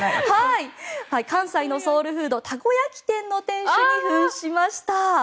関西のソウルフードたこ焼き店の店主に扮しました。